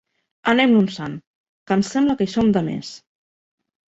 Anem-nos-en, que em sembla que hi som de més.